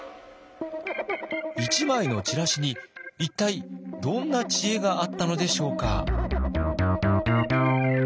１枚のチラシに一体どんな知恵があったのでしょうか？